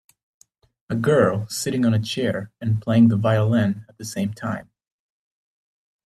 A girl sitting on a chair and playing the violin at the same time.